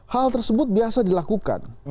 hal tersebut biasa dilakukan